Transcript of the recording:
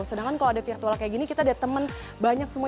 sedangkan kalau ada virtual kayak gini kita ada teman banyak semua